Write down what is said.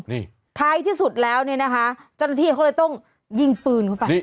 นี่ท้ายที่สุดแล้วเนี่ยนะคะเจ้าหน้าที่เขาเลยต้องยิงปืนเข้าไป